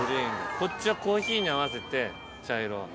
こっちはコーヒーに合わせて茶色。